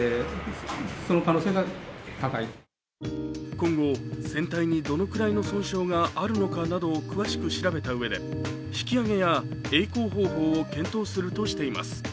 今後、船体にどのくらいの損傷があるのかなどを詳しく調べたうえで引き上げやえい航方法を検討するとしています。